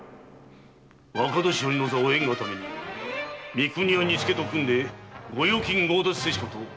若年寄の座を得んがために三国屋と組んで御用金を強奪せしこと明白！